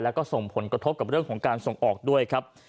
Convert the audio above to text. แล้วก็ส่งผลกระทบกับเรื่องของการส่งออกด้วยครับ